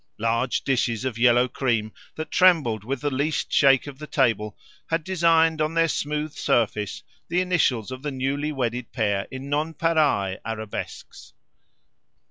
Large dishes of yellow cream, that trembled with the least shake of the table, had designed on their smooth surface the initials of the newly wedded pair in nonpareil arabesques.